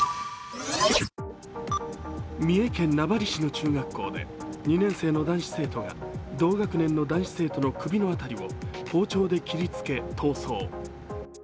三重県名張市の中学校で２年生の男子生徒が同学年の男子生徒の首の辺りを包丁で切りつけ、逃走。